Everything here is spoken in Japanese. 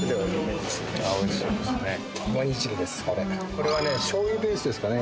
これはね醤油ベースですかね。